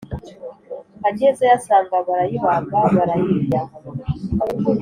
Agezeyo asanga barayibaga barayirya